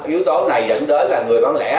yếu tố này dẫn đến là người bán lẻ